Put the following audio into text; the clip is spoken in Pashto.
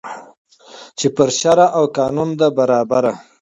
چي پر شرع او قانون ده برابره